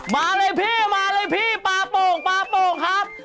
มาเลยพี่มาเลยพี่ป่าโป่งครับ